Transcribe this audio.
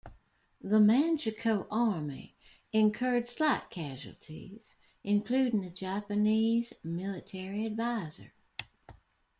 The Manchukuo Army incurred slight casualties, including a Japanese military advisor.